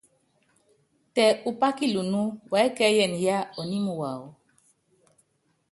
Tɛ upá kilunú, uɛ́kɛ́yɛnɛ yá ɔními wawɔ.